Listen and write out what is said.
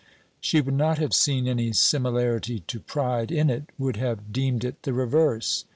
She would not have seen any similarity to pride in it; would have deemed it the reverse.